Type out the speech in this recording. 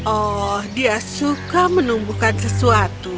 oh dia suka menumbuhkan sesuatu